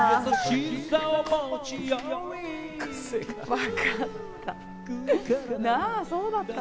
わかった。